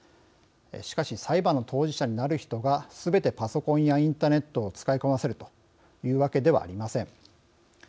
しかし、裁判の当事者になる人がすべてパソコンやインターネットを使いこなせるというわけではありません。